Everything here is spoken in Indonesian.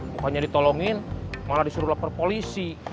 bukannya ditolongin malah disuruh lapor polisi